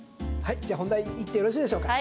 じゃあ、本題に行ってよろしいでしょうか？